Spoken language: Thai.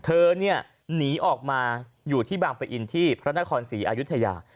เธอเนี่ยหนีออกมาอยู่ที่บางปะอินที่พระนครศรีอายุทยา